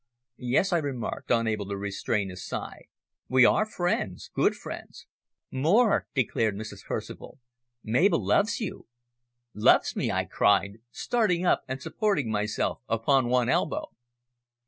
"Yes," I remarked, unable to restrain a sigh, "we are friends good friends." "More," declared Mrs. Percival, "Mabel loves you." "Loves me!" I cried, starting up and supporting myself upon one elbow.